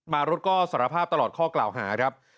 รุดก็สารภาพตลอดข้อกล่าวหาครับ